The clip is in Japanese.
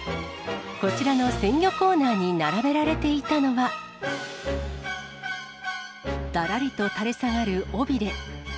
こちらの鮮魚コーナーに並べられていたのは、だらりと垂れ下がる尾びれ。